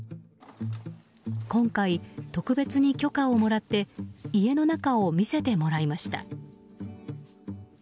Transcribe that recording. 今回、特別に許可をもらって家の中を見せてもらいました。